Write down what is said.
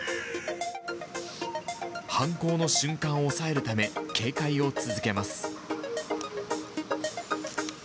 犯行の瞬間を押さえるため、警戒を続けます。